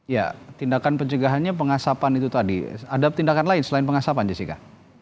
ya tindakan pencegahannya pengasapan itu tadi ada tindakan lain selain pengasapan jessica